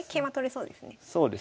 そうですね。